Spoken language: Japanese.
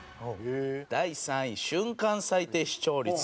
第３位「瞬間最低視聴率」。